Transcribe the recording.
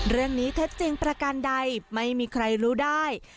เรื่องนี้เท็จจริงประกันใดไม่มีใครรู้ได้